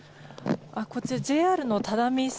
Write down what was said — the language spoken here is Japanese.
こちら、ＪＲの只見線。